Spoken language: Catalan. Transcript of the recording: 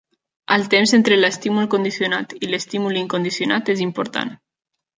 El temps entre l'estímul condicionat i l'estímul incondicionat és important.